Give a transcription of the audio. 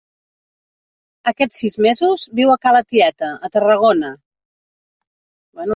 Aquests sis mesos viu a ca la tieta, a Tarragona.